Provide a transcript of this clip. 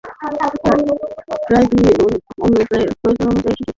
প্রয়োজন অনুযায়ী চিকিৎসকের পরামর্শে ইনফ্লুয়েঞ্জা, মেনিনজাইটিস এবং জলাতঙ্কের টিকাও দেওয়া যাবে।